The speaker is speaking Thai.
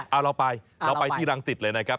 เอาเราไปเราไปที่รังสิตเลยนะครับ